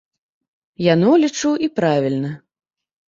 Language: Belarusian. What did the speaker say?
Яно, лічу і правільна.